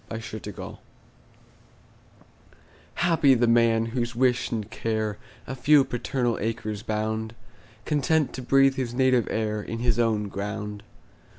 Y Z Solitude HAPPY the man, whose wish and care A few paternal acres bound, Content to breathe his native air In his own ground.